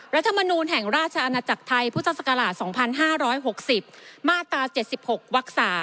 รัฐมนูลแห่งราชอาณาจักรไทยพุทธศักราช๒๕๖๐มาตรา๗๖วัก๓